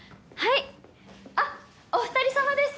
あっお二人様です！